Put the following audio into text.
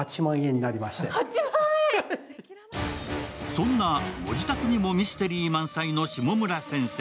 そんなご自宅にもミステリー満載の下村先生